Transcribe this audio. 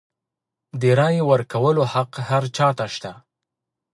د رایې ورکولو حق هر چا ته شته.